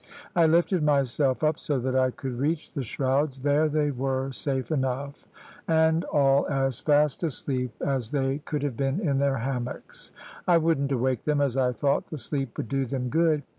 I lifted myself up so that I could reach the shrouds. There they were safe enough, and all as fast asleep as they could have been in their hammocks. I wouldn't awake them, as I thought the sleep would do them good.